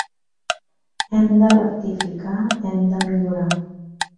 Hem de rectificar, hem de millorar.